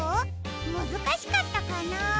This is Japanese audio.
むずかしかったかな？